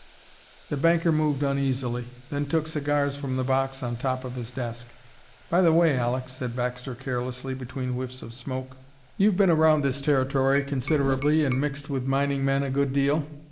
The banker moved uneasily, then took cigars from the box on top of his desk. "By the way, Aleck," said Baxter carelessly between whiffs of smoke, "you've been around this Territory considerably and mixed with mining men a good deal."